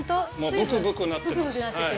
ブクブクなってます。